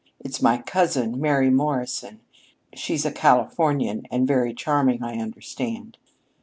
"It's my cousin, Mary Morrison. She's a Californian, and very charming, I understand."